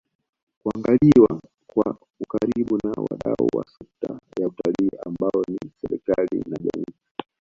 kuangaliwa kwa ukaribu na wadau wa sekta ya Utalii ambao ni serikali na jamii